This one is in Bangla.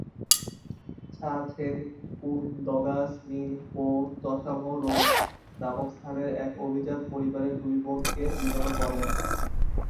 সা-ছেন-কুন-দ্গা'-স্ন্যিং-পো ত্সামো-রোং নামক স্থানের এক অভিজাত পরিবারের দুই বোনকে বিবাহ করেন।